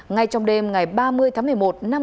ngay trong đêm ngày ba mươi tháng một mươi một